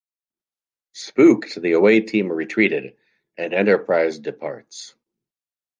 Spooked, the away team retreat and "Enterprise" departs.